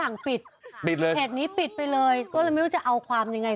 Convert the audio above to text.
เหตุนี้ปิดไปเลยก็ไม่รู้จะเอาความยังไง